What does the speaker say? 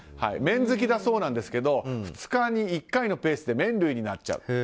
麺好きだそうなんですけど２日に１回のペースで麺類になっちゃう。